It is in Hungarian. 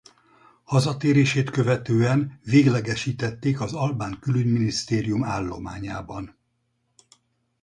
Hazatérését követően véglegesítették az albán külügyminisztérium állományában.